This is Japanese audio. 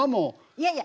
いやいや！